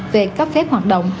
về cấp phép hoạt động